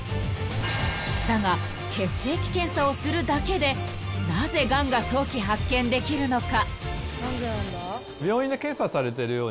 ［だが血液検査をするだけでなぜがんが早期発見できるのか？］